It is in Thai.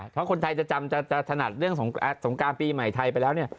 เพราะคนไทยจะจำจะถนัดเรื่องสงการปีใหม่ไทยไปแล้วเนี่ย